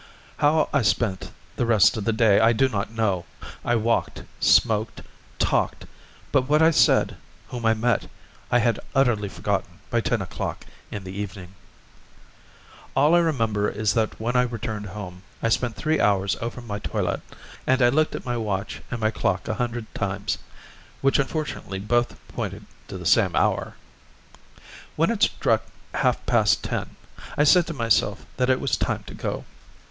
How I spent the rest of the day I do not know; I walked, smoked, talked, but what I said, whom I met, I had utterly forgotten by ten o'clock in the evening. All I remember is that when I returned home, I spent three hours over my toilet, and I looked at my watch and my clock a hundred times, which unfortunately both pointed to the same hour. When it struck half past ten, I said to myself that it was time to go.